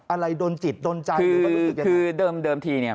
อะไรโดนจิตโดนใจคือเดิมทีเนี่ย